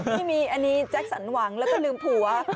ไม่มีอันนี้แจ็คสันหวังแล้วก็ลืมผัว